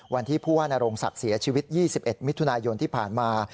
วันที่ผู้ว่านโรงศักดิ์เสียชีวิต๒๑มิถุนายนที่ผ่านมา